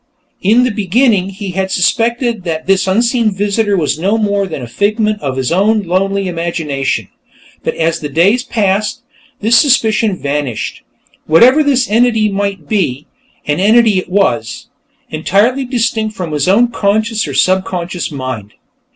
In the beginning, he had suspected that this unseen visitor was no more than a figment of his own lonely imagination, but as the days passed, this suspicion vanished. Whatever this entity might be, an entity it was, entirely distinct from his own conscious or subconscious mind.